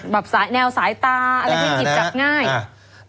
แบบแนวสายตาอะไรที่หยิบจับง่าย